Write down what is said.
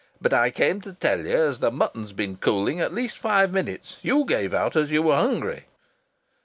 "But I came to tell ye as th' mutton's been cooling at least five minutes. You gave out as you were hungry."